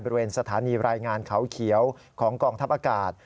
บริเวณสถานีรายงานเขาเขียวของกองทัพอากาศ